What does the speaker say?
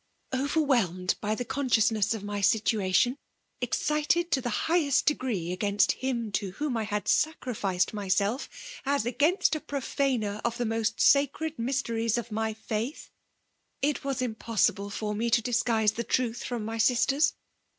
*' Overwhelmed by the consciousness of my situation — excited to the highest degree against him to whom I had sacrificed myself, as against a profaner of the most sacred mysteries of my faiths it was impossible for me to disguise the truth from my sisters.